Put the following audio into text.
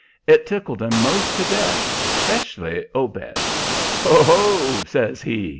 It tickled 'em most to death, especially Obed. "Ho, ho!" says he.